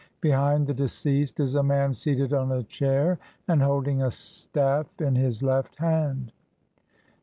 Behind the deceased is a man seated on a chair and holding a staff in his left hand.